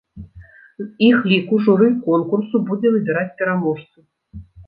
З іх ліку журы конкурсу будзе выбіраць пераможцу.